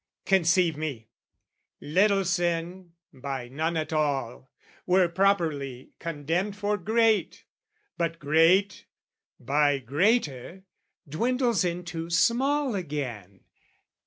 Conceive me! Little sin, by none at all, Were properly condemned for great: but great, By greater, dwindles into small again.